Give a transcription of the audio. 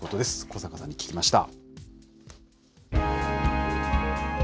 小坂さんに聞きました。